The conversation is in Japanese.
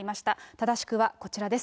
正しくはこちらです。